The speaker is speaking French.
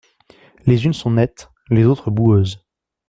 Les unes sont nettes, les autres boueuses.